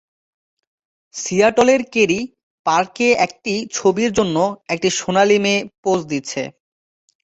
সিয়াটলের Kerry পার্কে একটি ছবির জন্য একটি সোনালী মেয়ে পোজ দিচ্ছে।